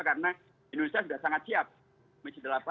karena indonesia sudah sangat siap